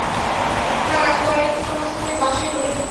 দাঁড়া, coin toss করে বাছাই করি।